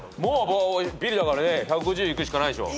ビリだからね１５０いくしかないでしょ。